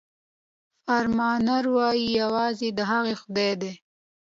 فرمانروايي یوازې د هغه خدای ده.